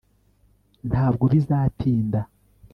ntabwo bizatinda